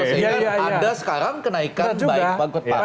sehingga ada sekarang kenaikan baik bangkot partai maupun